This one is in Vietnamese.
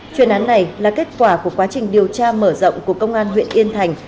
chuyên án này là kết quả của quá trình điều tra mở rộng của công an huyện yên thành